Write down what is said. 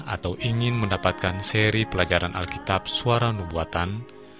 atau ingin mendapatkan seri pelajaran alkitab suara nubuatan